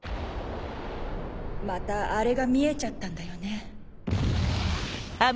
またあれが見えちゃったんだよね。